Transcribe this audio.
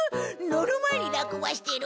乗る前に落馬してる。